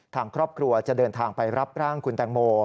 ทางครอบครัวจะเดินทางไปรับร่างคุณแตงโม